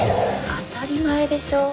当たり前でしょ。